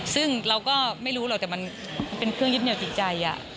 ซึ่งเราก็ไม่รู้หรอกแต่มันเป็นเครื่องยึดเหนียวจิตใจ